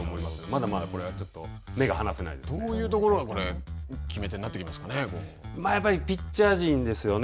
まだまだこれはちょっと目が離せどういうところが決め手になっピッチャー陣ですよね。